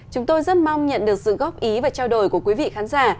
chúng tôi rất mong nhận được sự góp ý và trao đổi của quý vị khán giả